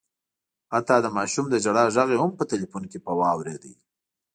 حتی د ماشوم د ژړا غږ یې هم په ټلیفون کي په واورېد